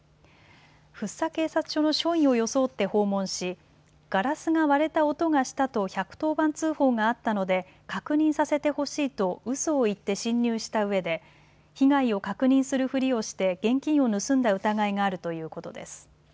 福生警察署の署員を装って訪問しガラスが割れた音がしたと１１０番通報があったので確認させてほしいとうそを言って侵入したうえで被害を確認するふりをして現金を盗んだ疑いがあるということです。